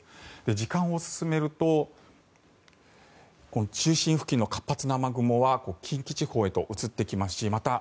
時間を進めると中心付近の活発な雨雲は近畿地方へと移ってきますしまた、